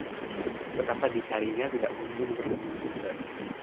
betapa dicarinya, tidak kunjung bertemu juga